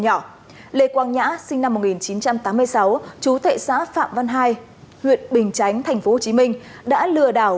nhỏ lê quang nhã sinh năm một nghìn chín trăm tám mươi sáu chú thệ xã phạm văn hai huyện bình chánh tp hcm đã lừa đảo